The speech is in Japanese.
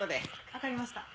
わかりました。